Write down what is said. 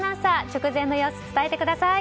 直前の様子、伝えてください！